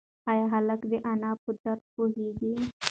ایا هلک د انا په درد پوهېږي؟